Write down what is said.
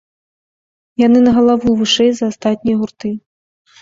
Яны на галаву вышэй за астатнія гурты.